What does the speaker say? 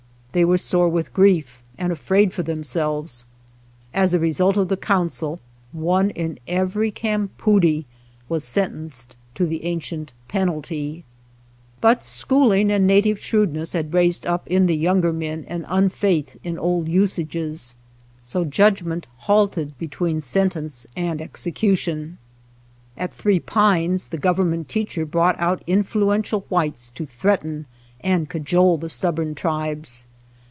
They were sore with grief and afraid for them selves ; as a result of the council, one in every campoodie was sentenced to the an cient penalty. But schooling and native shrewdness had raised up in the younger men an unfaith in old usages, so judgment 98 ARRIVAL OF THE EXECUTIONERS SHOSHONE LAND halted between sentence and execution. At Three Pines the government teacher brought out influential whites to threaten and cajole the stubborn tribes.